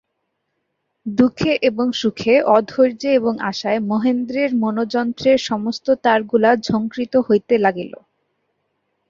দুঃখে এবং সুখে, অধৈর্যে এবং আশায় মহেন্দ্রের মনোযন্ত্রের সমস্ত তারগুলা ঝংকৃত হইতে লাগিল।